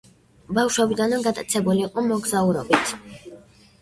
ბავშვობიდანვე გატაცებული იყო მოგზაურობით.